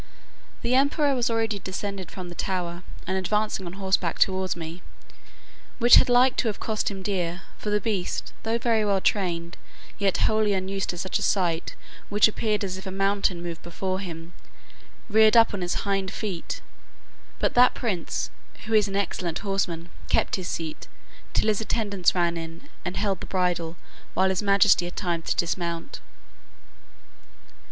The emperor was already descended from the tower, and advancing on horseback towards me, which had like to have cost him dear; for the beast, though very well trained, yet wholly unused to such a sight, which appeared as if a mountain moved before him, reared up on its hinder feet: but that prince, who is an excellent horseman, kept his seat, till his attendants ran in, and held the bridle, while his majesty had time to dismount.